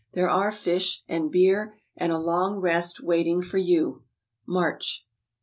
There are fish, and beer, and a long rest waiting for you. MARCH !